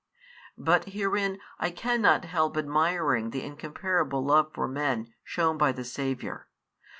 Bat herein I cannot help admiring the incomparable love for men shown by the Saviour.